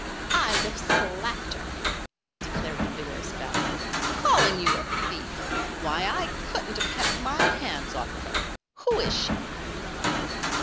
"I'd have slapped her," declared the vigorous Bess. "Calling you a thief! Why! I couldn't have kept my hands off of her. Who is she?"